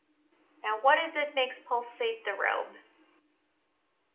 Now, what is it makes pulsate the robe?